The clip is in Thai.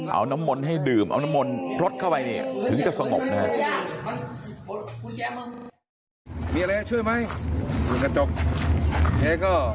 เอาน้ำมนต์ให้ดื่มเอาน้ำมนต์รถเข้าไปเนี่ยถึงจะสงบนะครับ